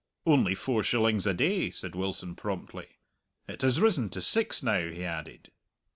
"Only four shillings a day," said Wilson promptly. "It has risen to six now," he added.